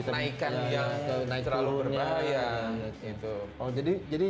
naikkan yang terlalu berbahaya